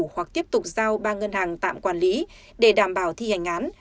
hoặc tiếp tục giao ba ngân hàng tạm quản lý để đảm bảo thi hành án